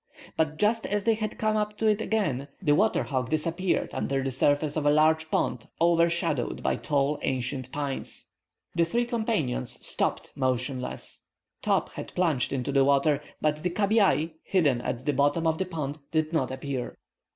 But just as they had come up to it again, the water hog disappeared under the surface of a large pond, overshadowed by tall, ancient pines. The three companions stopped, motionless. Top had plunged into the water, but the cabiai, hidden at the bottom of the pond, did not appear.